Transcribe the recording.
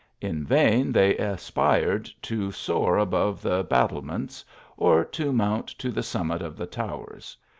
In vain they aspired to soar above the battlements, or to mount to the summit of the towers.